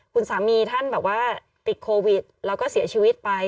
คุณสามีท่านแบบว่าติดโควิดแล้วก็เสียชีวิตไป